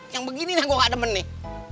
yang begini yang gue gak demen nih